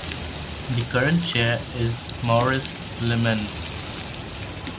The current chair is Maurice Limmen.